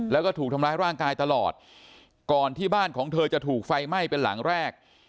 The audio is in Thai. แล้วก็ถูกทำร้ายร่างกายตลอดก่อนที่บ้านของเธอจะถูกไฟไหม้เป็นหลังแรก